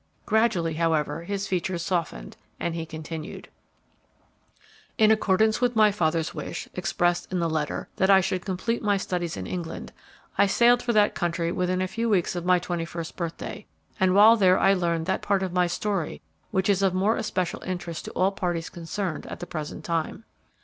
Gradually, however, his features softened, and he continued, "In accordance with my father's wish, expressed in the letter, that I should complete my studies in England, I sailed for that country within a few weeks of my twenty first birthday; and while there I learned that part of my story which is of more especial interest to all parties concerned at the present time.